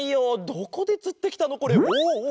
どこでつってきたのこれ？